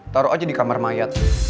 taruh aja di kamar mayat